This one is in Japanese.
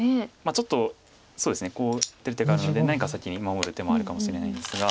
ちょっとこう出る手があるので何か先に守る手もあるかもしれないんですが。